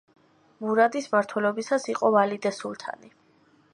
მურადის მმართველობისას იყო ვალიდე სულთანი.